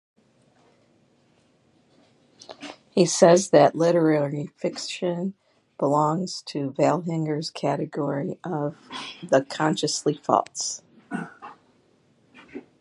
He says that literary fictions belong to Vaihinger's category of 'the consciously false.